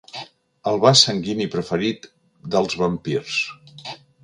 El vas sanguini preferit dels vampirs.